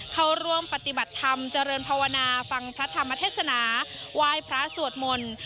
เข้าร่วมปฏิบัติธรรมเจริญภาวนาฟังพระธรรมเทศนาไหว้พระสวดมนต์